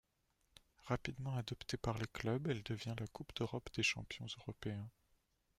Rapidement adoptée par les clubs, elle devient la Coupe d'Europe des champions européens.